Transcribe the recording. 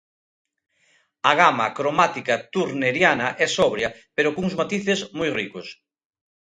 A gama cromática turneriana é sobria pero cuns matices moi ricos.